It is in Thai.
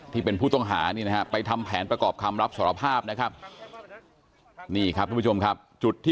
แถวนี้เขารู้หมด